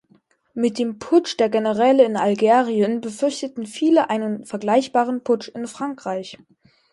Mit dem Putsch der Generäle in Algerien befürchteten viele einen vergleichbaren Putsch in Frankreich.